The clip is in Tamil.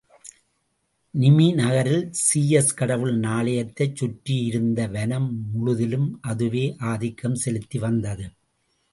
நிமீ நகரில் சீயஸ் கடவுளின் ஆலயத்தைச் சுற்றியிருந்த வனம் முழுதிலும் அதுவே ஆதிக்கம் செலுத்தி வந்தது.